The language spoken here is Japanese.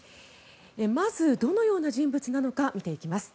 まず、どのような人物なのか見ていきます。